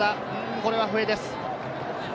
これは笛です。